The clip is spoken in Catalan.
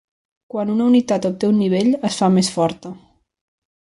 Quan una unitat obté un nivell, es fa més forta.